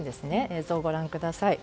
映像をご覧ください。